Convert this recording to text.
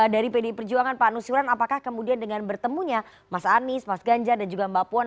dari pdi perjuangan pak nusiran apakah kemudian dengan bertemunya mas anies mas ganjar dan juga mbak puan